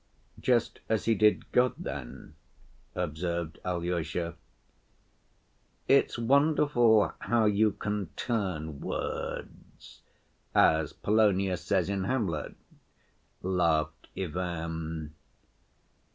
"Just as he did God, then?" observed Alyosha. " 'It's wonderful how you can turn words,' as Polonius says in Hamlet," laughed Ivan.